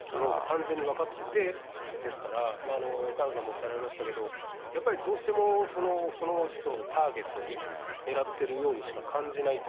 完全に分かってて、ですから、萱野さんもおっしゃいましたけど、やっぱりどうしても、その人をターゲットに狙ってるようにしか感